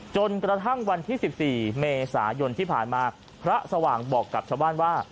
จนกระทั่งวันที่๑๔เมษายนที่ผ่านมาพระสว่างบอกกับชาวบ้านว่า